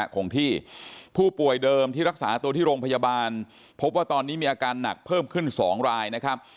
คงที่ผู้ป่วยเดิมที่รักษาตัวที่โรงพยาบาลพบว่าตอนนี้มีอาการหนักเพิ่มขึ้น๒รายนะครับ